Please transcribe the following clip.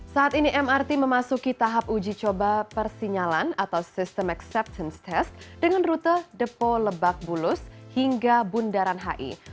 saat ini mrt memasuki tahap uji coba persinyalan atau system acceptance test dengan rute depo lebak bulus hingga bundaran hi